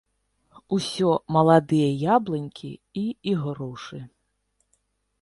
Усё маладыя яблынькі і ігрушы.